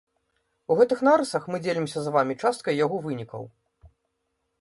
У гэтых нарысах мы дзелімся з вамі часткай яго вынікаў.